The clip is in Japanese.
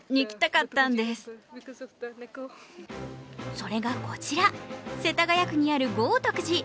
それがこちら、世田谷区にある豪徳寺。